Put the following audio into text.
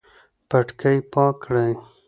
پټکی پاک کړئ